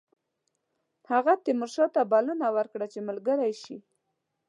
هغه تیمورشاه ته بلنه ورکړه چې ملګری شي.